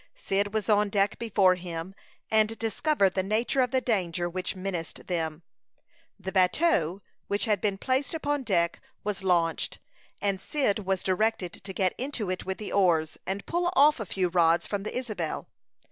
Cyd was on deck before him, and discovered the nature of the danger which menaced them. The bateau, which had been placed upon deck, was launched, and Cyd was directed to get into it with the oars, and pull off a few rods from the Isabel.